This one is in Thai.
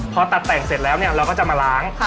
พอตัดแต่งเสร็จแล้วเนี่ยเราก็จะมาล้าง